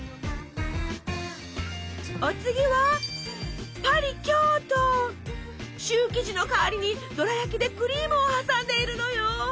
お次はシュー生地の代わりにどら焼きでクリームを挟んでいるのよ。